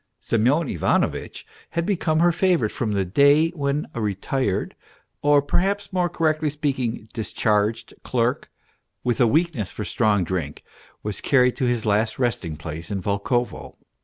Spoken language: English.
Semyon Ivanovitch had become her favourite from the day when a retired, or, perhaps more correctly speaking, discharged clerk, with a weakness for strong drink, was carried to his last resting place in Volkovo.